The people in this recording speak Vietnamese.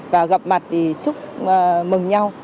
và gặp mặt thì chúc mừng nhau